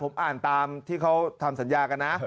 ผมอ่านตามที่เขาทำสัญญากันนะ